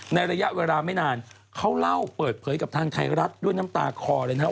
ระยะเวลาไม่นานเขาเล่าเปิดเผยกับทางไทยรัฐด้วยน้ำตาคอเลยนะครับ